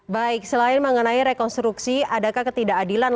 baik selain mengenai rekonstruksi adakah ketidakadilan